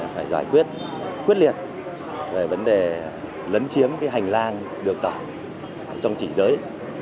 phải giải quyết quyết liệt về vấn đề lấn chiếm hành lang được tỏa trong chỉ giới